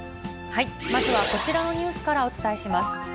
まずはこちらのニュースからお伝えします。